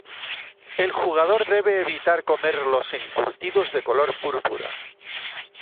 El jugador debe evitar comer los encurtidos de color púrpura.